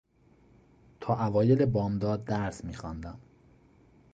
تا اوایل بامداد درس میخواندم.